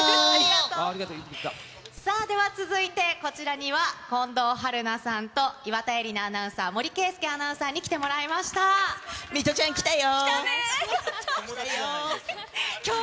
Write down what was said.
さあ、では続いてこちらには、近藤春菜さんと岩田絵里奈アナウンサー、森圭介アナウンサーに来水卜ちゃん、来たよ。